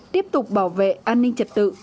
tiếp tục bảo vệ an ninh trật tự